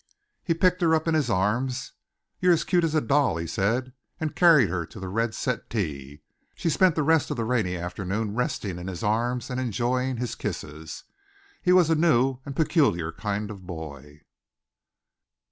He picked her up in his arms. "You're as cute as a doll," he said and carried her to the red settee. She spent the rest of the rainy afternoon resting in his arms and enjoying his kisses. He was a new and peculiar kind of boy.